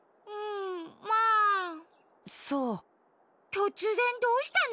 とつぜんどうしたの？